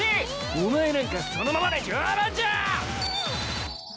お前なんかそのままでじゅうぶんじゃ！